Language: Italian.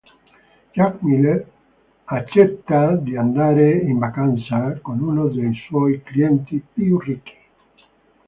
Jack Miller accetta di andare in vacanza con uno dei suoi clienti più ricchi.